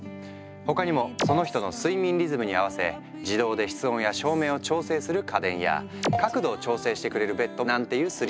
他にもその人の睡眠リズムに合わせ自動で室温や照明を調整する家電や角度を調整してくれるベッドなんていうスリープテックも。